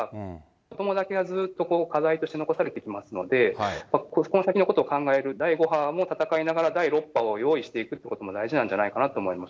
子どもだけがずっと課題として残されてきますので、そこから先のことを考える、第５波も闘いながら、第６波も用意していくというのが大事なんじゃないかなと思います